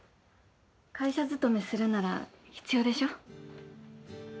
会社勤めするなら必要でしょ。